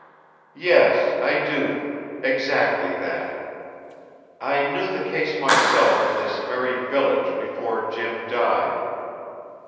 "Yes, I do. Exactly that. I knew the case myself in this very village before Jim died.